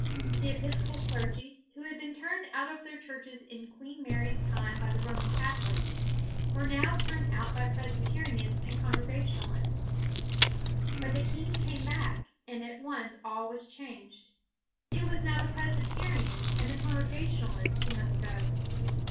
The Episcopal clergy, who had been turned out of their churches in Queen Mary's time by the Roman Catholics, were now turned out by Presbyterians and Congrega tionalists. But the king came back, and at once all was changed. It was now the Presbyterians and the Congregationalists who must go.